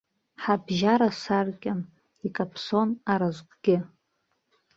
Ҳабжьара саркьан икаԥсон аразҟгьы.